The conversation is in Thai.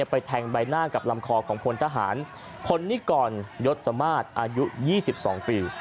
ไปแทงใบหน้ากับลำคอของพลทหารพลนิกรยศสมาธิอายุ๒๒ปี